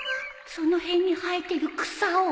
その辺に生えてる草を？